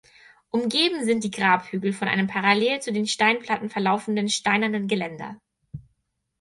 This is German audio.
Umgeben sind die Grabhügel von einem parallel zu den Steinplatten verlaufenden steinernen Geländer.